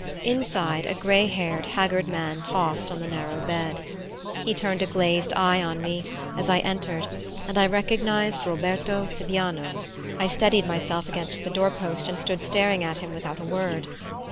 Inside, a gray haired haggard man tossed on the narrow bed. He turned a glazed eye on me as I entered, and I recognized Roberto Siviano. I steadied myself against the door post and stood staring at him without a word.